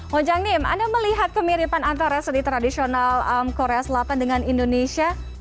mojang nim anda melihat kemiripan antara seni tradisional korea selatan dengan indonesia